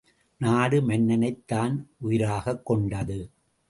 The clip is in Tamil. நாடு மன்னனைத் தான் உயிராகக் கொண்டது.